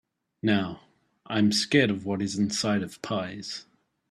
Now, I’m scared of what is inside of pies.